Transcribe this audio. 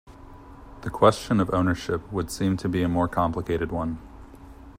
The question of ownership would seem to be a more complicated one.